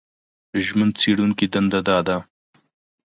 ژمن څېړونکي دنده دا ده